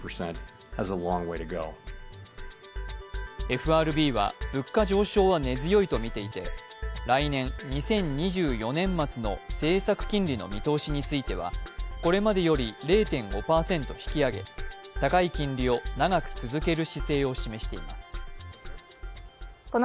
ＦＲＢは物価上昇は根強いとみていて来年、２０２４年末の政策金利の見通しについてはこれまでより０．５％引き上げ、高い金利を長く続ける姿勢を示しています。